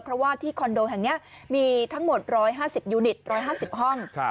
เพราะว่าที่คอนโดแห่งนี้มีทั้งหมด๑๕๐ยูนิต๑๕๐ห้อง